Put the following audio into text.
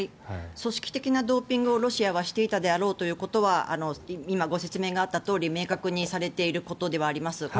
組織的なドーピングをロシアはしていたであろうということは今、ご説明があったとおり明確にされていることではあります。